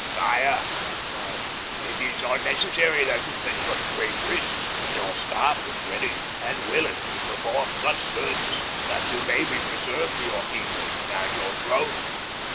"Sire," he cried, "it is unnecessary that you take such grave risks. Your staff is ready and willing to perform such service that you may be preserved to your people and your throne."